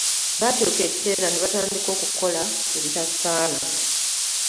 Baatuuka ekiseera n'ebatandika okukola ebitasaana